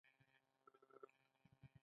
په دې هم نه دی خبر چې جاوا بېل ټاپو دی.